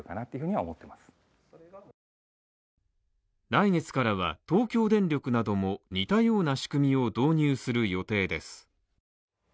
来月からは東京電力なども似たような仕組みを導入する予定です。